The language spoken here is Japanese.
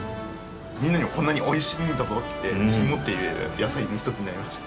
みんなに「こんなにおいしいんだぞ」って自信を持って言える野菜の一つになりました。